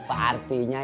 ko uap bua